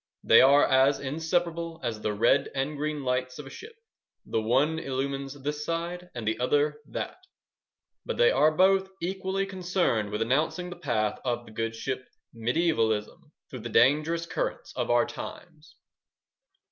They are as inseparable as the red and green lights of a ship: the one illumines this side and the other that, but they are both equally concerned with announcing the path of the good ship "Mediaevalism" through the dangerous currents of our times.